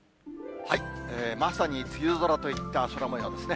まさに梅雨空といった空もようですね。